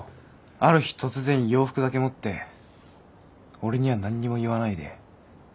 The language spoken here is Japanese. ある日突然洋服だけ持って俺には何にも言わないで。